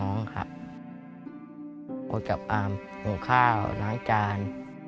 โอดกับอามหมูข้าวล้างจาน